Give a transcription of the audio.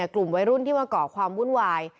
กลุ่มวัยรุ่นที่มาก่อความวุ่นวาย